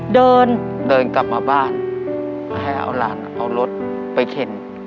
เดินเดินกลับมาบ้านให้เอาหลานเอารถไปเข็น